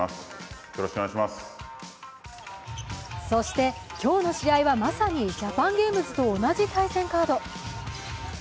そして、今日の試合はまさにジャパンゲームズと同じ対戦カード。